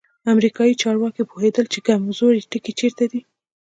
امریکایي چارواکي پوهېدل چې کمزوری ټکی چیرته دی.